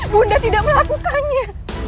bunda tidak melakukannya